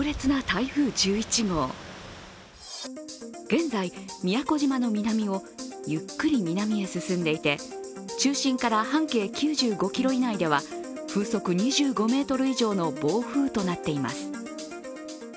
現在、宮古島の南をゆっくり南へ進んでいて中心から半径９５ｋｍ以内では風速２５メートル以上の暴風となっています。